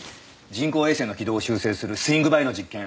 人工衛星の軌道を修正するスイングバイの実験。